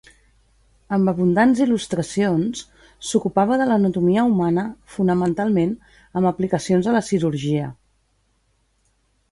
Amb abundants il·lustracions, s'ocupava de l'anatomia humana fonamentalment amb aplicacions a la cirurgia.